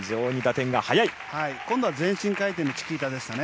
今度は前進回転のチキータでした。